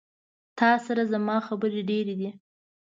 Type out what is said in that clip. تا سره زما خبري ډيري دي